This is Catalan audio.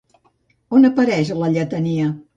On apareix la lletania?